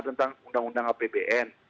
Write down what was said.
tentang undang undang apbn